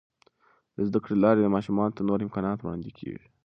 د زده کړې له لارې، ماشومانو ته نور امکانات وړاندې کیږي.